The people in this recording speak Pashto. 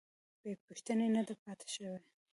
بې پوښتنې نه ده پاتې شوې.